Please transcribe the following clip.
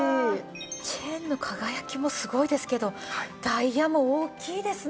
チェーンの輝きもすごいですけどダイヤも大きいですね。